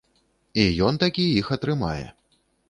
І ён-такі іх атрымае.